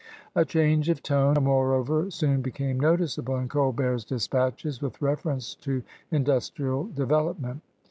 A change of tone, moreover, soon became noticeable in Colbert's dispatches with reference to industrial develop ment.